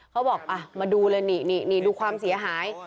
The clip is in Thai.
เขาบอกมาดูเลยนี่ดูความเสียหาย